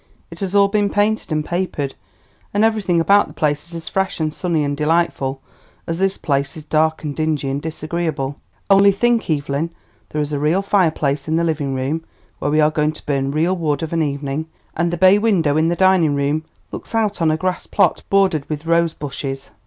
"It has all been painted and papered, and everything about the place is as fresh and sunny and delightful as this place is dark and dingy and disagreeable. Only think, Evelyn, there is a real fireplace in the living room, where we are going to burn real wood of an evening, and the bay window in the dining room looks out on a grass plot bordered with rose bushes!"